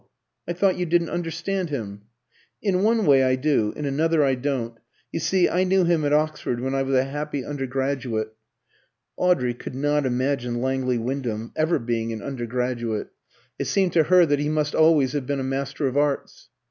I thought you didn't understand him?" "In one way I do, in another I don't. You see I knew him at Oxford when I was a happy undergraduate." (Audrey could not imagine Langley Wyndham ever being an undergraduate; it seemed to her that he must always have been a Master of Arts.)